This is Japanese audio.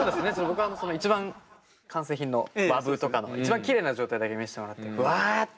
僕は一番完成品のＷＡＶとかの一番きれいな状態だけ見せてもらってわあって言ってるんで。